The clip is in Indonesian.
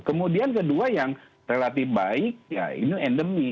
kemudian kedua yang relatif baik ya ini endemi